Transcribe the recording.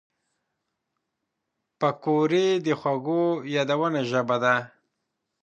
پکورې د خوږو یادونو ژبه ده